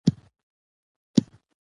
هو، ګرمي د خولې سبب کېږي.